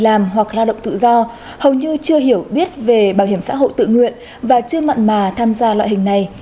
làm hoặc lao động tự do hầu như chưa hiểu biết về bảo hiểm xã hội tự nguyện và chưa mặn mà tham gia loại hình này